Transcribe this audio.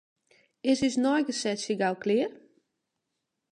Is ús neigesetsje gau klear?